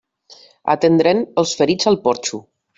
Atendrem els ferits al porxo.